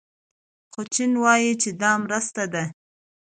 خو چین وايي چې دا مرسته ده.